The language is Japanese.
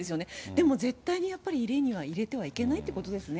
でも絶対にやっぱり家には入れてはいけないということですよね。